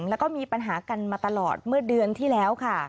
แล้วก็มีปัญหากันมาตลอดเมื่อเดือนที่แล้วค่ะ